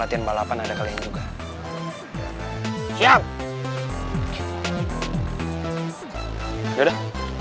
latihan balapan ada kalian juga siap ya udah